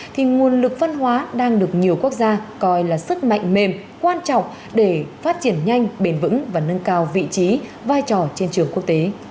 thì nguồn lực phân hóa đang được nhiều quốc gia coi là sức mạnh mềm quan trọng để phát triển nhanh bền vững và nâng cao vị trí vai trò trên trường quốc tế